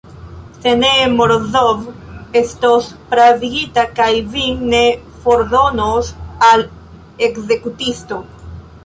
Se ne, Morozov estos pravigita, kaj vin mi fordonos al ekzekutisto.